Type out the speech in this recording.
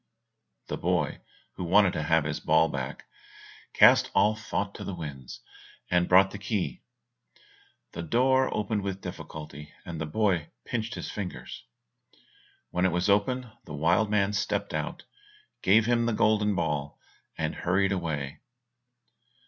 The boy, who wanted to have his ball back, cast all thought to the winds, and brought the key. The door opened with difficulty, and the boy pinched his fingers. When it was open the wild man stepped out, gave him the golden ball, and hurried away.